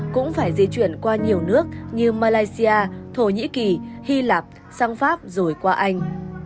cũng phải di chuyển qua nhiều nước như malaysia thổ nhĩ kỳ hy lạp sang pháp rồi qua anh